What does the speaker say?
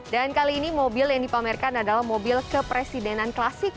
dan kali ini mobil yang dipamerkan adalah mobil kepresidenan klasik